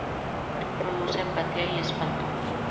Produce empatía y espanto".